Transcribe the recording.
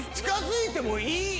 近づいてもいい？